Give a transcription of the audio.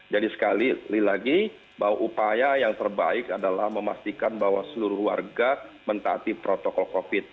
jadi sekali lagi bahwa upaya yang terbaik adalah memastikan bahwa seluruh warga mentati protokol covid